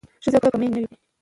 ښځې په میوند کې نه وې پاتې.